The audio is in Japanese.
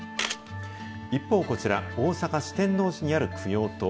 一方、こちら、大阪・四天王寺にある供養塔。